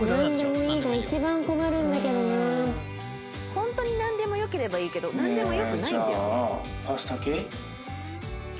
本当になんでもよければいいけどなんでもよくないんだよね。